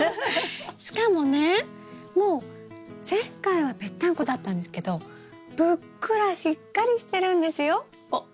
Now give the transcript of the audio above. しかもねもう前回はぺったんこだったんですけどぷっくらしっかりしてるんですよ。おっ。